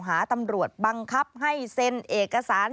หาตำรวจบังคับให้เซ็นเอกสาร